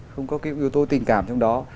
không có cái yếu tố tình cảm trong đó